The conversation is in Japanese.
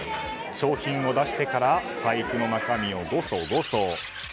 商品を出してから財布の中身をごそごそ。